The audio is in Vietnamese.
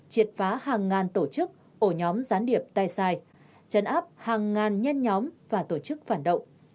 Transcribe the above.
triệt phá hàng ngàn tổ chức ổ nhóm gián điệp tay sai chấn áp hàng ngàn nhen nhóm và tổ chức phản động